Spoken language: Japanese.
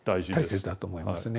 大切だと思いますね。